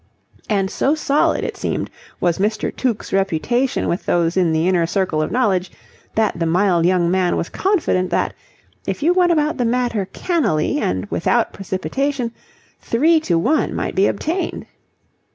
And so solid, it seemed, was Mr. Tuke's reputation with those in the inner circle of knowledge that the mild young man was confident that, if you went about the matter cannily and without precipitation, three to one might be obtained.